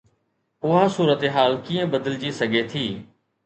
اها صورتحال ڪيئن بدلجي سگهي ٿي؟